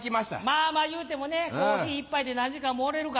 まぁまぁ言うてもねコーヒー１杯で何時間もおれるから。